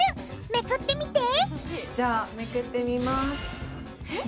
めくってみてじゃあめくってみます。